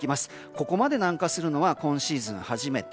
ここまで南下するのは今シーズン初めて。